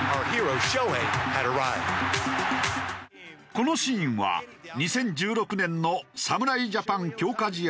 このシーンは２０１６年の侍ジャパン強化試合